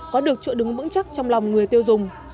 có được trụ đứng bững chắc trong lòng người tiêu dùng